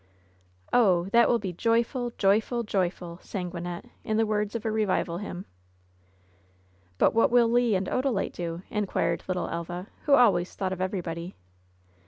"Oh, that will be joyful, joyful, joyful !" sang Wyn nette, in the words of a revival hymn. "But what will Le and Odalite do?" inquired littla Elva, who always thought of everybody.